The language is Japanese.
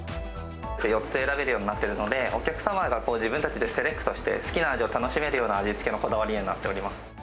４つ選べるようになってるので、お客様が自分たちでセレクトして、好きな味を楽しめるような、味付けのこだわりになっております。